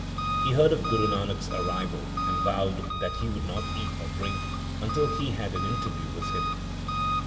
He heard of Guru Nanak s arrival, and vowed that he would not eat or drink until he had had an interview with him.